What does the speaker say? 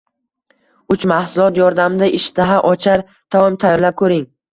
Uch mahsulot yordamida ishtaha ochar taom tayyorlab ko‘ring